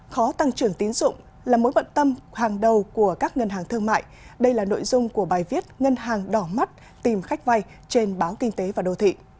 khó tăng trưởng tín dụng là mối bận tâm hàng đầu của các ngân hàng thương mại đây là nội dung của bài viết ngân hàng đỏ mắt tìm khách vay trên báo kinh tế và đô thị